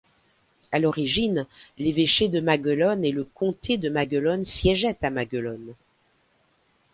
À l'origine, l’évêché de Maguelone et le comté de Maguelone siégeaient à Maguelone.